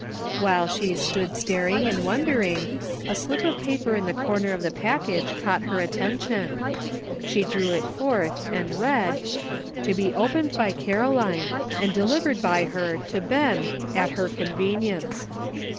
While she stood staring and wondering, a slip of paper in the corner of the package caught her attention. She drew it forth and read: "To be opened by Caroline, and deliv ered by her to Ben at her convenience."